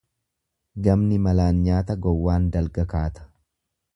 Gamni malaan nyaata gowwaan dalga kaata.